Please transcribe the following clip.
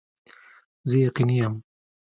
زه یقیني یم